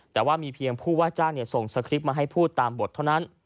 แต่ว่ามีเพียงผู้ว่าจ้างส่งสคริปต์มาให้พูดตามบทเท่านั้น